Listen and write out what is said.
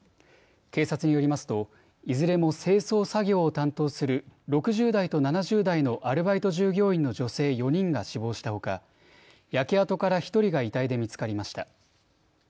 警察によりますといずれも清掃作業を担当する６０代と７０代のアルバイト従業員の女性４人が死亡したほか焼け跡から１人が遺体で見つかりました。